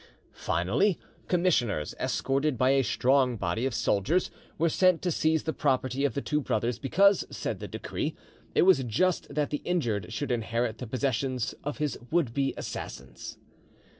Finally, commissioners, escorted by a strong body of soldiers, were sent to seize the property of the two brothers, because, said the decree, it was just that the injured should inherit the possessions of his would be assassins.